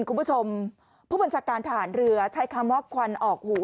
คุณผู้ชมผู้บัญชาการทหารเรือใช้คำว่าควันออกหู